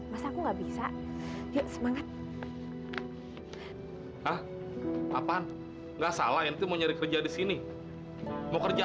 masa aku nggak bisa semangat ah apaan enggak salah itu mau nyari kerja di sini mau kerja